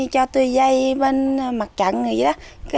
cho tôi giấy bên mặt trận vậy đó